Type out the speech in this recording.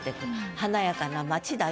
華やかな街だよと。